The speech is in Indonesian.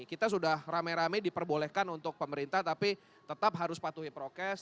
kita sudah rame rame diperbolehkan untuk pemerintah tapi tetap harus patuhi prokes